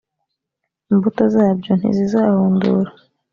imbuto zabyo ntizizahundura